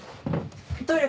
トイレ